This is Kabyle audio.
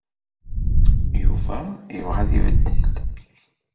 Yuba yebɣa ad ibeddel.